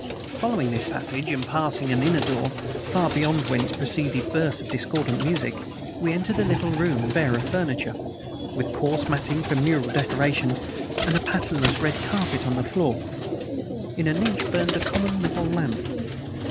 Following this passage, and passing an inner door, from beyond whence proceeded bursts of discordant music, we entered a little room bare of furniture, with coarse matting for mural decorations, and a patternless red carpet on the floor. In a niche burned a common metal lamp.